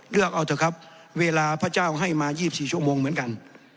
เลือกเอาเถอะครับเวลาพระเจ้าให้มา๒๔ชั่วโมงเหมือนกัน